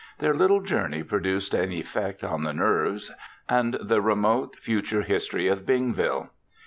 Their little journey produced an effect on the nerves and the remote future history of Bingville.